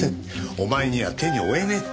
お前には手に負えねえって。